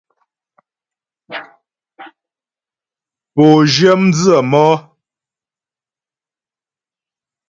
Pǒ zhyə mdzə̌ mɔ́.